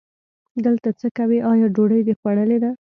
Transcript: دلته څه کوې، آیا ډوډۍ دې خوړلې ده؟